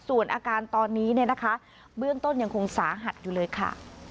ส่วนอาการตอนนี้เนี่ยนะคะเบื้องต้นยังคงสาหัสอยู่เลยค่ะ